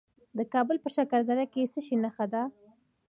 د کابل په شکردره کې د څه شي نښې دي؟